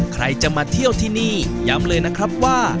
ใครจะมาเที่ยวที่นี่ย้ำเลยนะครับว่า